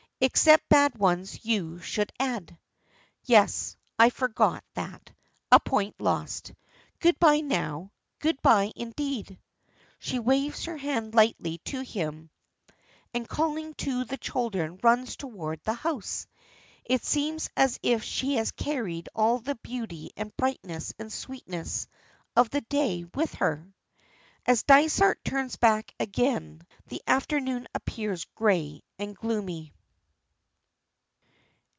"Except bad ones you should add." "Yes, I forgot that. A point lost. Good bye now, good bye indeed." She waves her hand lightly to him and calling to the children runs towards the house. It seems as if she has carried all the beauty and brightness and sweetness of the day with her. As Dysart turns back again, the afternoon appears grey and gloomy.